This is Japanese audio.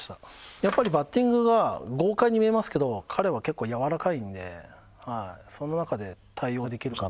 やっぱりバッティングが豪快に見えますけど彼は結構やわらかいんではいその中で対応できるかな。